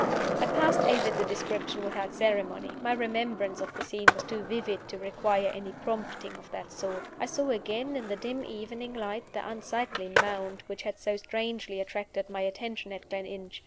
I passed over the description without ceremony. My remembrance of the scene was too vivid to require any prompting of that sort. I saw again, in the dim evening light, the unsightly mound which had so strangely attracted my attention at Gleninch.